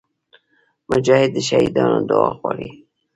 مجاهد د شهیدانو دعا غواړي.